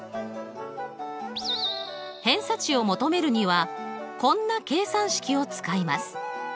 偏差値を求めるにはこんな計算式を使います。